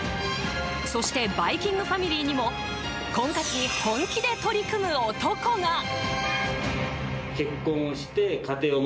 そして「バイキング」ファミリーにも婚活に本気で取り組む男が。